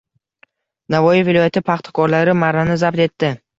Navoiy viloyati paxtakorlari marrani zabt etdi